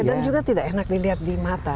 dan juga tidak enak dilihat di mata